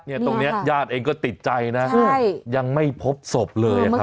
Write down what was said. ตรงนี้ญาติเองก็ติดใจนะยังไม่พบศพเลยครับ